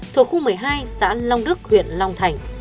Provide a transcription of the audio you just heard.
thuộc khu một mươi hai xã long đức huyện long thành